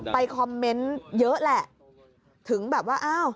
ไปคอมเมนต์เยอะแหละ